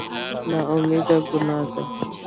نااميدي ګناه ده